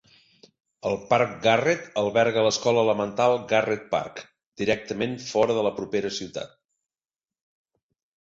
El parc Garret alberga l'escola elemental Garrett Park, directament fora de la propera ciutat.